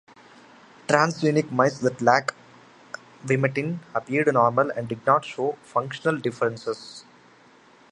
Transgenic mice that lack vimentin appeared normal and did not show functional differences.